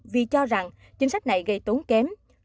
vì cho rằng chính sách này gây tốn kém